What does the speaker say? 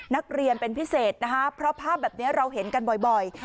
นักเรียนเป็นพิเศษนะคะเพราะภาพแบบนี้เราเห็นกันบ่อย